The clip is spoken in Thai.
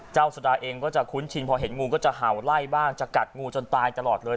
สุดาเองก็จะคุ้นชินพอเห็นงูก็จะเห่าไล่บ้างจะกัดงูจนตายตลอดเลย